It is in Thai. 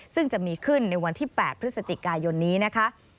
ซึ่งจะมีขึ้นในวันที่๘พฤศจิกายนนี้นะคะ